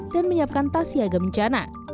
dan menyiapkan tas siaga bencana